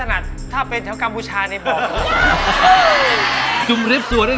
ถนัดถ้าเป็นแถวกับกัมพูชาในบอกจุ่มเล็บสวดได้เลย